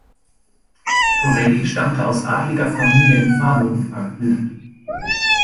Torelli stammte aus adliger Familie in Fano und war gebildet.